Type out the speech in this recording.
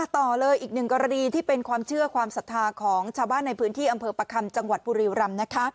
ต่อเลยอีกหนึ่งกรณีที่เป็นความเชื่อความศรัทธาของชาวบ้านในพื้นที่อำเภอประคำจังหวัดบุรีรำนะคะ